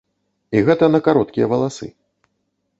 І гэта на кароткія валасы.